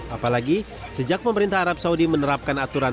apalagi sejak pemerintah arab saudi menerapkan aturan